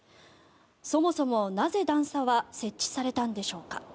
そもそもなぜ段差は設置されたんでしょうか。